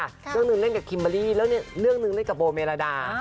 เรื่องหนึ่งเล่นกับคิมเบอร์รี่แล้วเรื่องหนึ่งเล่นกับโบเมรดา